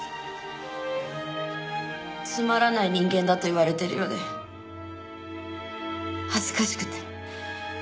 つまらない人間だと言われてるようで恥ずかしくて。